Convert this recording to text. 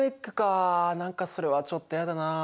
何かそれはちょっと嫌だなあ。